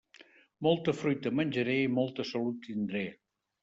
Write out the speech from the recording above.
Molta fruita menjaré i molta salut tindré.